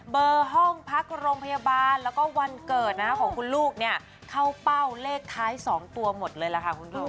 เบอร์ห้องพักโรงพยาบาลแล้วก็วันเกิดของคุณลูกเนี่ยเข้าเป้าเลขท้าย๒ตัวหมดเลยล่ะค่ะคุณผู้ชม